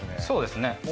そうですね。